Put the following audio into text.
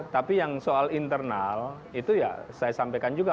tapi yang soal internal itu ya saya sampaikan juga